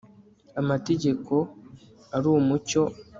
amategeko ari umucyo